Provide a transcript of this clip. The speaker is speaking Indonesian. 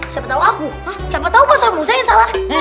siapa tau masalah ustadz yang salah